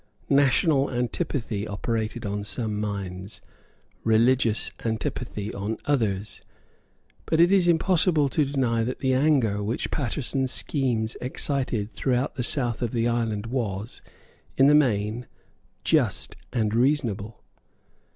National antipathy operated on some minds, religious antipathy on others. But it is impossible to deny that the anger which Paterson's schemes excited throughout the south of the island was, in the main, just and reasonable.